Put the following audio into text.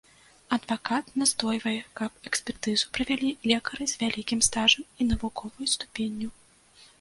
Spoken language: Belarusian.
Адвакат настойвае, каб экспертызу правялі лекары з вялікім стажам і навуковай ступенню.